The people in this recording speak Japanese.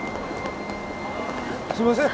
すいません。